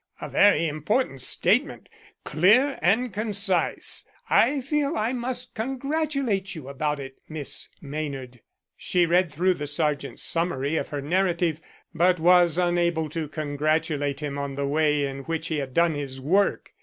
"A very important statement clear and concise. I feel I must congratulate you about it, Miss Maynard." She read through the sergeant's summary of her narrative, but was unable to congratulate him on the way in which he had done his work.